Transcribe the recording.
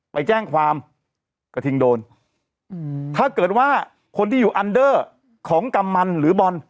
ไปแจ้งความกระทิงโดนอืมถ้าเกิดว่าคนที่อยู่อันเดอร์ของกำมันหรือบอล